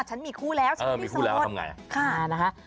ฉันมีคู่แล้วฉันมีคู่แล้วทำไง